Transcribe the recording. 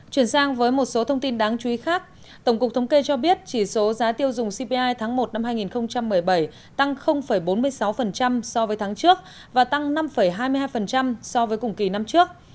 chuyển sang với một số thông tin đáng chú ý khác tổng cục thống kê cho biết chỉ số giá tiêu dùng cpi tháng một năm hai nghìn một mươi bảy tăng bốn mươi sáu so với tháng trước và tăng năm hai mươi hai so với cùng kỳ năm trước